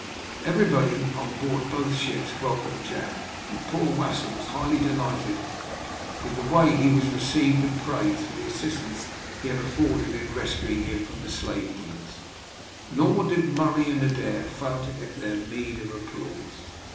Everybody on board both ships welcomed Jack, and poor Wasser was highly delighted with the way he was received and praised for the assistance he had afforded in rescuing him from the slave dealers; nor did Murray and Adair fail to get their meed of applause.